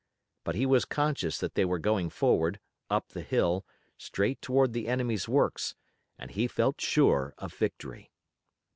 But he was conscious that they were going forward, up the hill, straight toward the enemy's works, and he felt sure of victory.